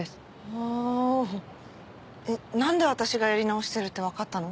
はぁえっ何で私がやり直してるって分かったの？